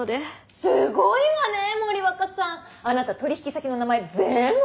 すごいわね森若さん！あなた取引先の名前ぜんぶ覚えてるの？